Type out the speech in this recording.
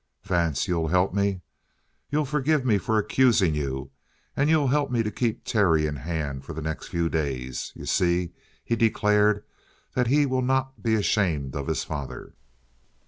"Vance, you'll help me? You'll forgive me for accusing you, and you'll help me to keep Terry in hand for the next few days? You see, he declared that he will not be ashamed of his father."